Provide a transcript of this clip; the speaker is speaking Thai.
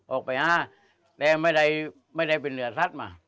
ออกไปหาใดยังไม่ได้เป็นเหนือทัศน์มา